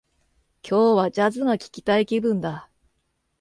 今日は、ジャズが聞きたい気分だ